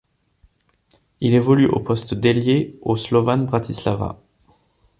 Il évolue au poste d'ailier au Slovan Bratislava.